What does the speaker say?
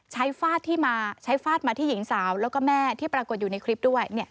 ฟาดที่มาใช้ฟาดมาที่หญิงสาวแล้วก็แม่ที่ปรากฏอยู่ในคลิปด้วย